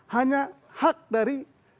hanya hak dari